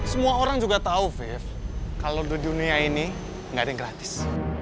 semua orang juga tau vyf kalau dunia ini gak ada yang gratis